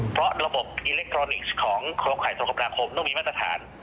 เพราะระบบอิเล็กทรอนิกส์ของเครือข่ายโทรคมนาคมต้องมีมาตรฐาน